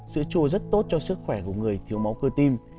sữa chua rất tốt cho sức khỏe của người thiếu máu cơ tim